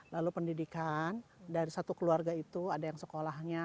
lalu pendidikan dari satu keluarga itu ada yang sekolahnya